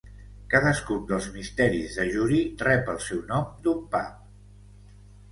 Cadascun dels misteris de Jury rep el seu nom d'un pub.